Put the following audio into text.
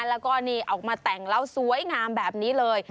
แล้วก็นี่ออกมาแต่งแล้วสวยงามแบบนี้เลย